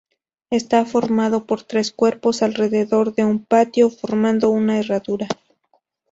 Está formado por tres cuerpos alrededor de un patio, formando una herradura.